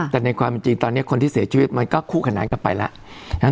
แต่ในความจริงตอนนี้คนที่เสียชีวิตมันก็คู่ขนานกลับไปแล้ว